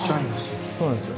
そうなんですよ。